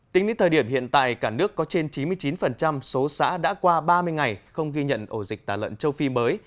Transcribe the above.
tính đến thời điểm hiện tại cả nước có trên chín mươi chín số xã đã qua ba mươi ngày không ghi nhận ổ dịch tả lợn châu phi mới